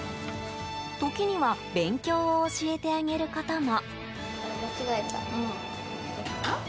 時には勉強を教えてあげることも。